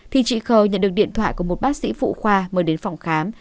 thì chị khờ nhận được điện thoại của một bác sĩ phụ khoa mời đến phòng khám